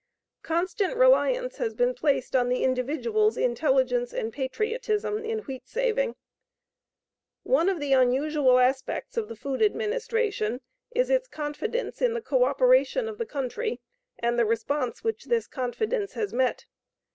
Constant reliance has been placed on the individual's intelligence and patriotism in wheat saving. One of the unusual aspects of the Food Administration is its confidence in the co operation of the country and the response which this confidence has met.